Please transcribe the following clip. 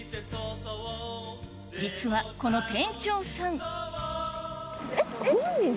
実はこの店長さん